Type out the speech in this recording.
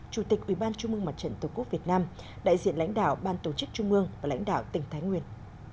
chủ tịch ubnd tổ quốc việt nam đại diện lãnh đạo ban tổ chức trung mương và lãnh đạo tỉnh thái nguyên